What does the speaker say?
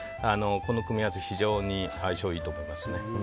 この組み合わせ非常に相性いいと思います。